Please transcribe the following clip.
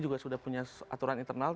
juga sudah punya aturan internal